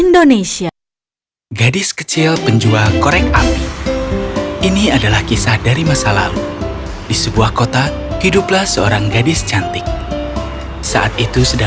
dongeng bahasa indonesia